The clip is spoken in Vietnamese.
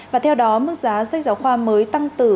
và theo đó mức giá sách giáo khoa mới tương tự